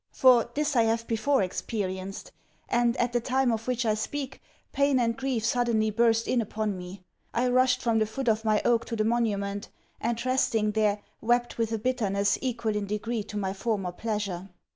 For, this I have before experienced; and, at the time of which I speak, pain and grief suddenly burst in upon me. I rushed from the foot of my oak to the monument; and, resting there, wept with a bitterness equal in degree to my former pleasure.